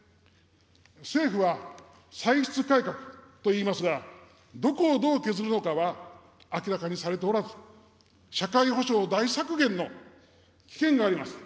政府は歳出改革と言いますが、どこをどう削るのかは、明らかにされておらず、社会保障大削減の危険があります。